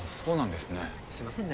すいませんね。